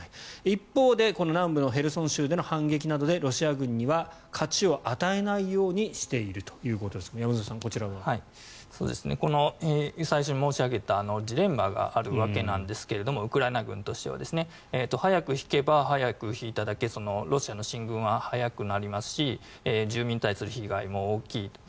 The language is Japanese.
一方で南部のヘルソン州の反撃などでロシア軍には勝ちを与えないようにしているということですが最初に申し上げたジレンマがあるわけなんですがウクライナ軍としては。早く引けば早く引いただけロシアの進軍は早くなりますし住民に対する被害も大きいと。